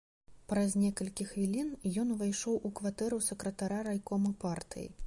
Праз некалькі хвілін ён увайшоў у кватэру сакратара райкома партыі.